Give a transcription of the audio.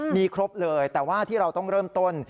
มีครบเลยแต่ว่าที่เราต้องเริ่มต้น